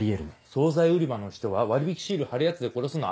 総菜売り場の人は割引シール貼るやつで殺すの？